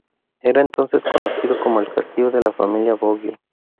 Era entonces conocido como el Castillo de la familia Boggio.